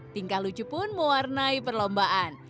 tingkah lucu pun mewarnai perlombaan